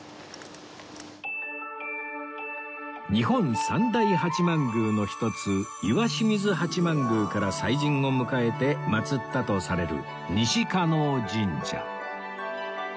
日本三大八幡宮の一つ石清水八幡宮から祭神を迎えて祭ったとされる西叶神社